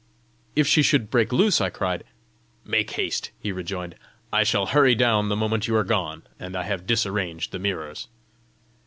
"If she should break loose!" I cried. "Make haste!" he rejoined. "I shall hurry down the moment you are gone, and I have disarranged the mirrors."